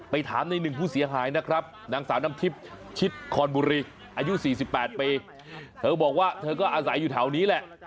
ถามในหนึ่งผู้เสียหายนะครับนางสาวน้ำทิพย์ชิดคอนบุรีอายุ๔๘ปีเธอบอกว่าเธอก็อาศัยอยู่แถวนี้แหละ